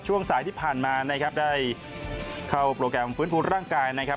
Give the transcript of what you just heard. ช่วงสายที่ผ่านมานะครับได้เข้าโปรแกรมฟื้นฟูร่างกายนะครับ